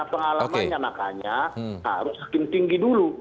pengalamannya makanya harus hakim tinggi dulu